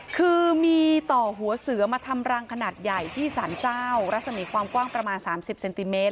คือมีต่อหัวเสือมาทำรังขนาดใหญ่ที่สารเจ้ารัศมีความกว้างประมาณ๓๐เซนติเมตร